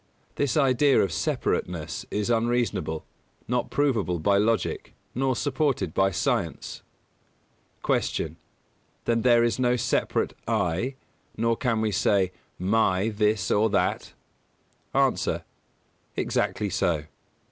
This idea of separateness is unreasonable, not provable by logic, nor supported by science. 231. Q. Then there is no separate "I," nor can we say "my" this or that? A. Exactly so.